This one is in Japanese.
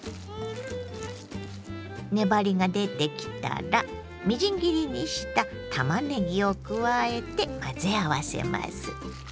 粘りが出てきたらみじん切りにしたたまねぎを加えて混ぜ合わせます。